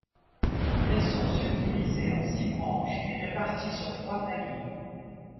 Elles sont subdivisées en six branches et réparties sur trois paliers.